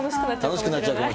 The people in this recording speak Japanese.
楽しくなっちゃうかも。